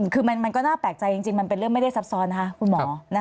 คือมันก็น่าแปลกใจจริงมันเป็นเรื่องไม่ได้ซับซ้อนนะคะคุณหมอ